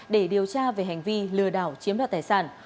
để điều tra về hành vi lừa đảo chiếm đoạt tài sản